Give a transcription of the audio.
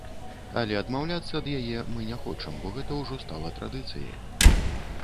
Але адмаўляцца ад яе мы не хочам, бо гэта ўжо стала традыцыяй.